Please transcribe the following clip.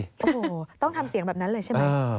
โอ้โหต้องทำเสียงแบบนั้นเลยใช่ไหม